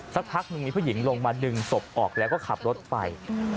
สักพักหนึ่งมีผู้หญิงลงมาดึงศพออกแล้วก็ขับรถไป